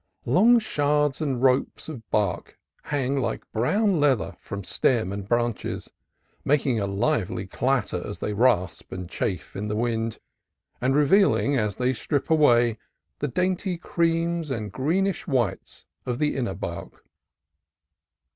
Long shards and ropes of bark hang like brown leather from stem and branches, making a lively clatter as they rasp and chafe in the wind, and revealing, as they strip away, the dainty creams and greenish whites of the inner bark.